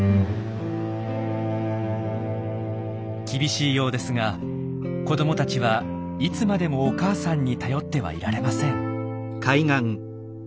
厳しいようですが子どもたちはいつまでもお母さんに頼ってはいられません。